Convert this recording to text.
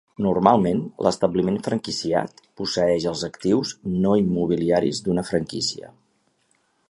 Normalment, l'establiment franquiciat posseeix els actius no immobiliaris d'una franquícia.